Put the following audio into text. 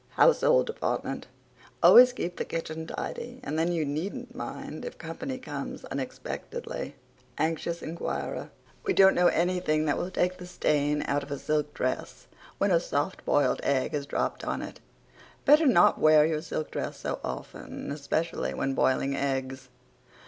HOUSEHOLD DEPARTMENT Always keep the kitchen tidy and then you needn't mind if company comes unexpectedly. ANXIOUS INQUIRER: We don't know anything that will take the stain out of a silk dress when a soft boiled egg is dropped on it. Better not wear your silk dress so often, especially when boiling eggs.